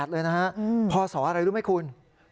เลยนะฮะพศอะไรรู้ไหมคุณ